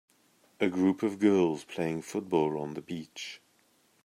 A group of girls playing football on the beach.